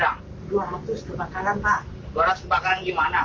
dua ratus kebakaran gimana